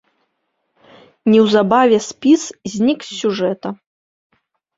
Неўзабаве спіс знік з сюжэта.